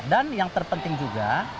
dan yang terpenting juga